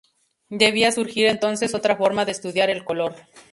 Debía surgir entonces otra forma de estudiar el color.